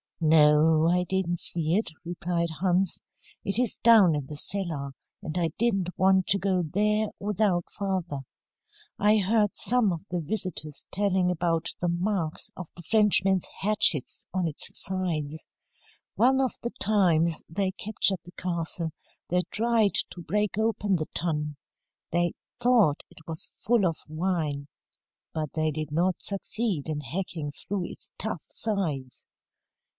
"No, I didn't see it," replied Hans. "It is down in the cellar, and I didn't want to go there without father. I heard some of the visitors telling about the marks of the Frenchmen's hatchets on its sides. One of the times they captured the castle, they tried to break open the tun. They thought it was full of wine. But they did not succeed in hacking through its tough sides."